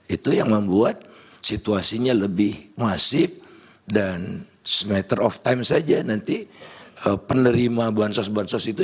itu yang membuat situasinya lebih masif dan smetter of time saja nanti penerima bansos bansos itu